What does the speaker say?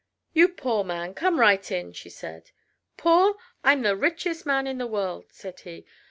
"You poor man! Come right in," she said. "Poor! I'm the richest man in the world," said he.